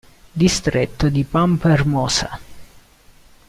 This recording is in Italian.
Distretto di Pampa Hermosa